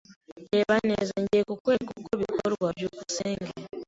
Reba neza. Ngiye kukwereka uko bikorwa. byukusenge